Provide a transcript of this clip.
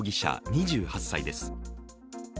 ２８歳です。